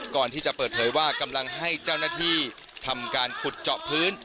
ก่อนที่จะเปิดเผยว่ากำลังให้เจ้าหน้าที่ทำการขุดเจาะพื้น